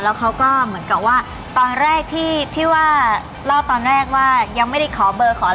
แล้วเขาก็เหมือนกับว่าตอนแรกที่ว่าเล่าตอนแรกว่ายังไม่ได้ขอเบอร์ขออะไร